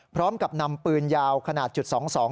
พร้อมกับนำปืนยาวขนาดจุดสองสอง